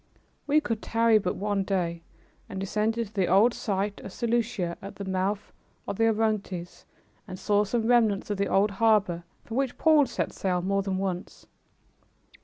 We could tarry but one day, and descended to the old site of Seleucia, at the mouth of the Orontes, and saw some remnants of the old harbor from which Paul set sail more than once.